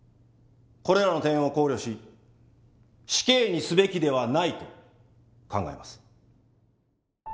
これらの点を考慮し死刑にすべきではないと考えます。